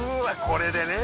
これでね